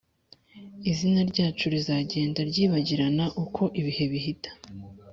Izina ryacu rizagenda ryibagirana uko ibihe bihita,